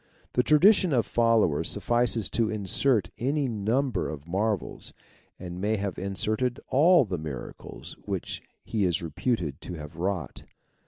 The tradition of followers suffices to insert any num ber of marvels, and may have inserted all the miracles which he is reputed to have wrought.